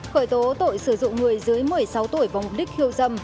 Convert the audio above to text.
khởi tố tội sử dụng người dưới một mươi sáu tuổi vòng đích hiêu dâm